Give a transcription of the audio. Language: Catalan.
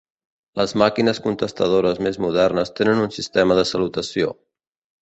Les màquines contestadores més modernes tenen un sistema de salutació.